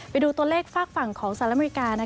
ไปดูตัวเลขฝากฝั่งของสหรัฐอเมริกา